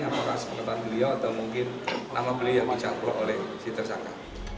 apakah sepengetahuan beliau atau mungkin nama beliau yang keluar oleh si tersangka